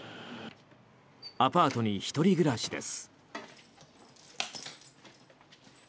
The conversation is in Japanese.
アパートに１人暮らしです。